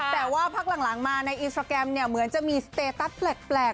แต่ว่าพักหลังมาในอินสตราแกรมเนี่ยเหมือนจะมีสเตตัสแปลก